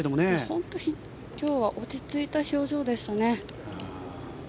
本当に今日は落ち着いた表情でしたね。